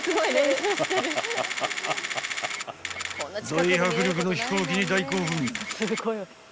［大迫力の飛行機に大興奮］